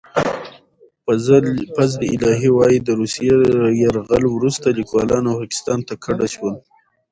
فضل الهي وايي، د روسي یرغل وروسته لیکوالان پاکستان ته کډه شول.